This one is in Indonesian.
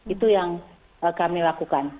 itu yang kami lakukan